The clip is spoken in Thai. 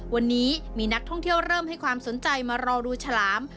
วันนี้มีนักท่องเที่ยวเริ่มให้ความสนใจมารอดูฉลาม